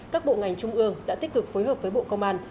các bộ ngành trung ương đã tích cực phối hợp với bộ công an